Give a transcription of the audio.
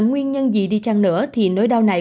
nguyên nhân gì đi chăng nữa thì nỗi đau này